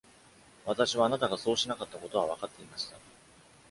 私はあなたがそうしなかったことは分かっていました。